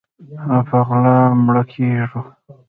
او په غلا مړه کیږو